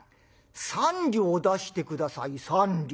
３両出して下さい３両。